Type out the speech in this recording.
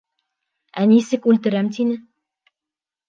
Ә нисек үлтерәм тине?